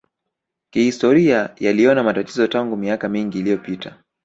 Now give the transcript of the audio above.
Kihistoria yaliona matatizo tangu miaka mingi iliyopita